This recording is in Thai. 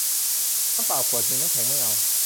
น้ำเปล่าขวดนึง น้ำแข็งไม่เอา